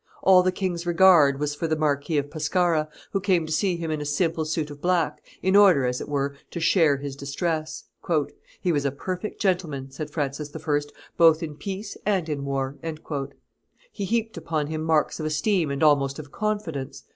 All the king's regard was for the Marquis of Pescara, who came to see him in a simple suit of black, in order, as it were, to share his distress. "He was a perfect gentleman," said Francis I., "both in peace and in war." He heaped upon him marks of esteem and almost of confidence.